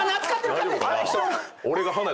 大丈夫かな？